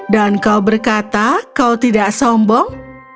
dan kau berkata kau tidak sombong